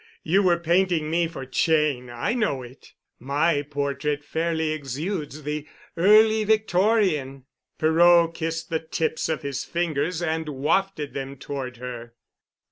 You were painting me for Cheyne, I know it. My portrait fairly exudes the early Victorian." Perot kissed the tips of his fingers and wafted them toward her.